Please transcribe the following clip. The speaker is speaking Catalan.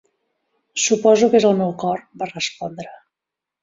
"Suposo que és el meu cor", va respondre.